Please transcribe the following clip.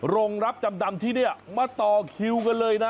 โรงรับจำนำที่นี่มาต่อคิวกันเลยนะ